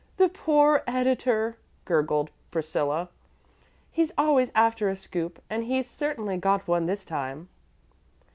"The poor editor," gurgled Priscilla. "He's always after a scoop, and he's certainly got one this time."